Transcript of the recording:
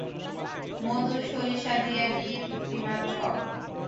মধু সরিষা দিয়ে ডিম-কিমা চপ।